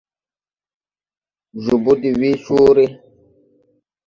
Jobo de wee coore.